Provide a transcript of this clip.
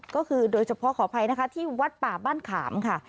ก็คือโดยเฉพาะขออภัยนะคะที่วัดป่าบ้านขามค่ะ